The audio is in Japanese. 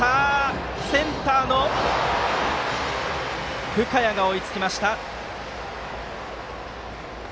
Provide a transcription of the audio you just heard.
センターの深谷が追いつきました。